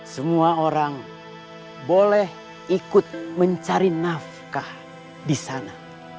semua orang boleh ikut mencari nafkah di sana